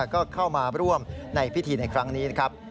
ก็เข้ามาร่วมในพิธีในครั้งนี้นะครับ